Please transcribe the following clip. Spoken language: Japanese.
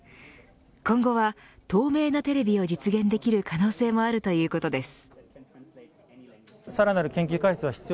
今後は透明なテレビを実現できる可能性もあるということです。